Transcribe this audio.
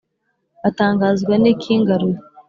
Batangazwa n'ikingaruye